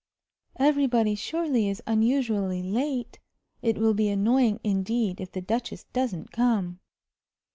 "Everybody, surely, is unusually late. It will be annoying, indeed, if the Duchess doesn't come."